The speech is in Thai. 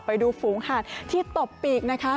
ไปดูฝูงหาดที่ตบปีกนะคะ